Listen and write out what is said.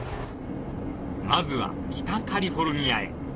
まずは北カリフォルニアへ。